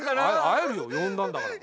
会えるよ呼んだんだから。